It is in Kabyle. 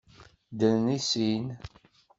Ddren i sin.